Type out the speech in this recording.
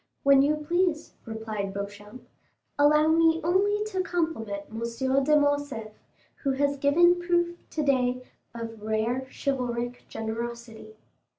"When you please," replied Beauchamp; "allow me only to compliment M. de Morcerf, who has given proof today of rare chivalric generosity."